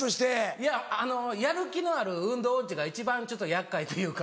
いやあのやる気のある運動オンチが一番ちょっと厄介というか。